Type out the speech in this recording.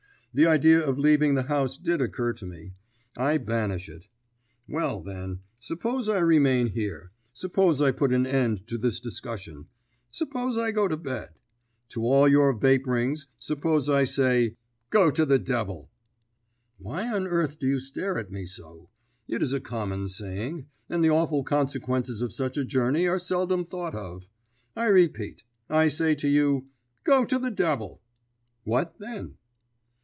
The idea of leaving the house did occur to me; I banish it. Well, then, suppose I remain here; suppose I put an end to this discussion; suppose I go to bed. To all your vapourings, suppose I say, 'Go to the devil!' Why on earth do you stare at me so? It is a common saying, and the awful consequences of such a journey are seldom thought of. I repeat, I say to you, 'Go to the devil!' What, then?"